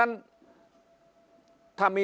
ฝ่ายชั้น